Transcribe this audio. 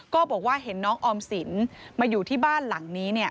ก็บอกว่าเห็นน้องออมสินมาอยู่ที่บ้านหลังนี้